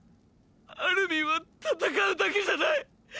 アルミンは戦うだけじゃない！！